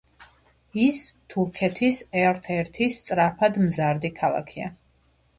ის თურქეთის ერთ-ერთი სწრაფად მზარდი ქალაქია.